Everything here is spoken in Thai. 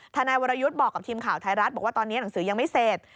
ทนายวรยุทธ์บอกกับทีมข่าวไทยรัฐบอกว่าตอนนี้หนังสือยังไม่เสร็จ